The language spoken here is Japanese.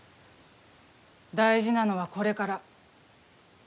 大事なのはこれから。